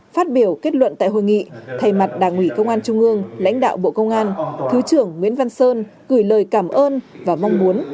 phát biểu kết luận tại hội nghị thay mặt đảng ủy công an trung ương lãnh đạo bộ công an thứ trưởng nguyễn văn sơn gửi lời cảm ơn và mong muốn